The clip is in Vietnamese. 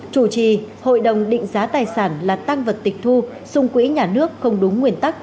chủ trì hội đồng định giá tài sản là tăng vật tịch thu xung quỹ nhà nước không đúng nguyên tắc